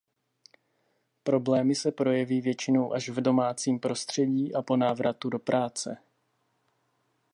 Problémy se projeví většinou až v domácím prostředí a po návratu do práce.